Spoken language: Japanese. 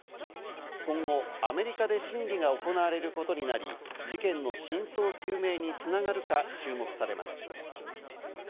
今後、アメリカで審理が行われることになり、事件の真相究明に繋がるか注目されます。